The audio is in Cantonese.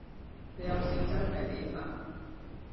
你有時真係幾煩